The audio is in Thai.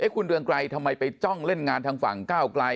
คุณเรืองไกรทำไมไปจ้องเล่นงานทางฝั่งก้าวไกล